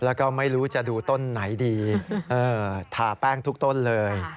แล้วก็ไม่รู้จะดูต้นไหนดีทาแป้งทุกต้นเลย